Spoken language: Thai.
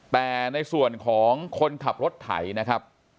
แต่ในส่วนของคนขับรถไถนะครับ